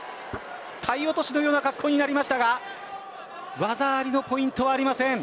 体落のような格好になりましたが技ありのポイントはありません。